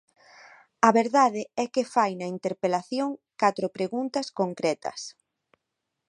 A verdade é que fai na interpelación catro preguntas concretas.